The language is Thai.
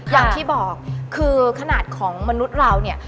อย่างที่บอกคือขนาดของมนุษย์เราเนี่ย